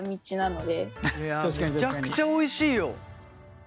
いやめちゃくちゃおいしいよ。